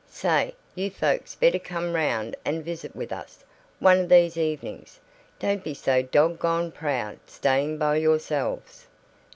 Say, you folks better come round and visit with us, one of these evenings. Don't be so dog gone proud, staying by yourselves."